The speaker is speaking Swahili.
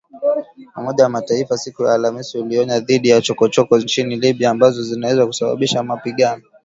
Umoja wa Mataifa siku ya Alhamis ulionya dhidi ya “chokochoko” nchini Libya ambazo zinaweza kusababisha mapigano